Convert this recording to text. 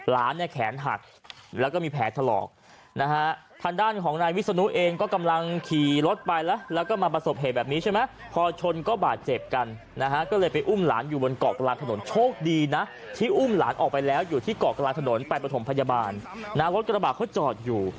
หลานเนี่ยแขนหักแล้วก็มีแผลถลอกนะฮะทางด้านของนายวิศนุเองก็กำลังขี่รถไปแล้วแล้วก็มาประสบเหตุแบบนี้ใช่ไหมพอชนก็บาดเจ็บกันนะฮะก็เลยไปอุ้มหลานอยู่บนเกาะกลางถนนโชคดีนะที่อุ้มหลานออกไปแล้วอยู่ที่เกาะกลางถนนไปประถมพยาบาลนะรถกระบาดเขาจอดอยู่